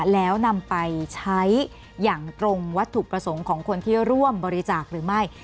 แล้วนำไปใช้อย่างตรงวัตถุประสงค์ของคนที่ร่วมบริจาคหรือไม่